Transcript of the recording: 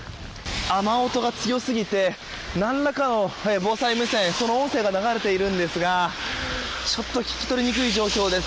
雨音が強すぎて何らかの防災無線その音声が流れているんですがちょっと聞き取りにくい状況です。